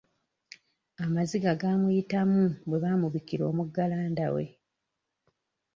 Amaziga gaamuyitamu bwe baamubikira omugalanda we.